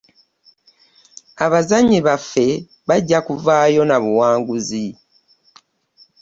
Abasambi baffe bajja kuvaayo na buwanguzi.